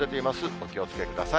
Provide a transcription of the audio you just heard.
お気をつけください。